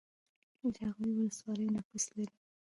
جاغوری ولسوالۍ نفوس لري؟